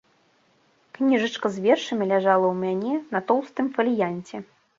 Кніжачка з вершамі ляжала ў мяне на тоўстым фаліянце.